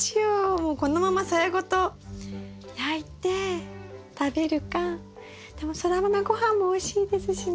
もうこのままさやごと焼いて食べるかでもソラマメごはんもおいしいですしね。